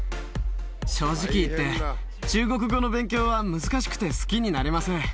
正直言って、中国語の勉強は難しくて好きになれません。